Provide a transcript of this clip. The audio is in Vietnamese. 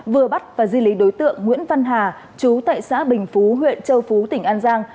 vừa bắt và di lý đối tượng nguyễn văn hà chú tại xã bình phú huyện châu phú tỉnh an giang